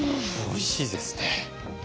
おいしいですね。